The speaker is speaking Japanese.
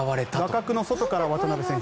画角の外から渡邊選手。